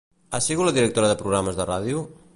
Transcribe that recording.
Ha sigut la directora de programes de ràdio?